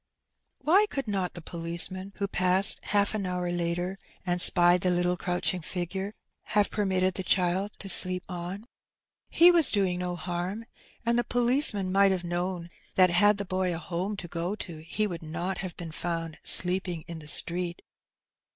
Why could not the policeman who passed half an hour 200 Her Benny. later^ and spied the little crouching figure^ have permitted the child to sleep on? He was doing no harm^ and the policeman might have known that had the boy a home to go to he would not have been found sleeping in the street.